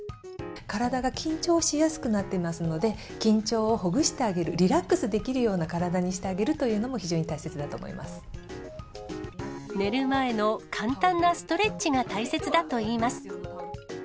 体が緊張しやすくなっていますので、緊張をほぐしてあげる、リラックスできるような体にしてあげるというのも、寝る前の簡単なストレッチが大切だといいます。